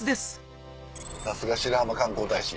さすが白浜観光大使。